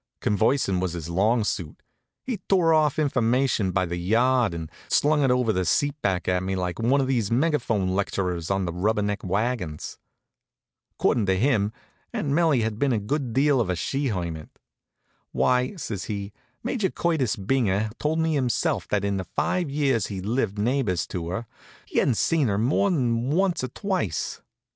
Conversin' was his long suit. He tore off information by the yard, and slung it over the seat back at me like one of these megaphone lecturers on the rubber neck wagons. Accordin' to him, Aunt 'Melie had been a good deal of a she hermit. "Why," says he, "Major Curtis Binger told me himself that in the five years he lived neighbors to her he hadn't seen her more'n once or twice.